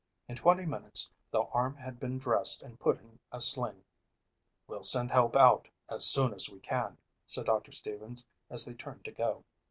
In twenty minutes the arm had been dressed and put in a sling. "We'll send help out as soon as we can," said Doctor Stevens as they turned to go.